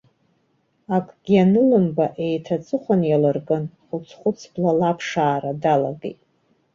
Акгьы анылымба, еиҭа аҵыхәан иалыркын, хәыц-хәыц блала аԥшаара далагеит.